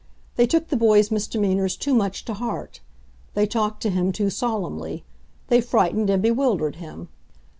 They took the boy's misdemeanors too much to heart; they talked to him too solemnly; they frightened and bewildered him.